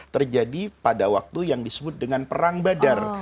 terjadi pada waktu yang disebut dengan perang badar